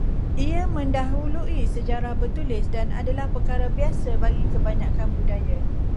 Ia mendahului sejarah bertulis dan adalah perkara biasa bagi kebanyakan budaya